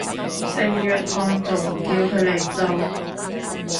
聖約翰仲唔叫佢嚟做